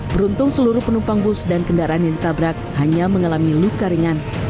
beruntung seluruh penumpang bus dan kendaraan yang ditabrak hanya mengalami luka ringan